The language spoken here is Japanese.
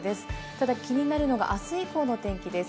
ただ気になるのが明日以降の天気です。